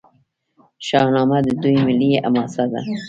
شاهنامه د دوی ملي حماسه ده.